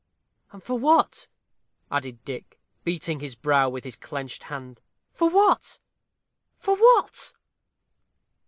And for what?" added Dick, beating his brow with his clenched hand "for what? for what?"